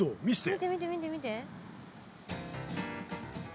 見て見て見て見て。